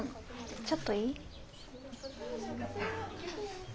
ちょっといい？